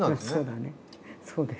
そうだね。